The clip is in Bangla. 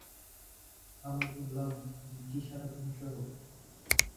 আমি বললাম, যিশারা ধ্বংস হোক!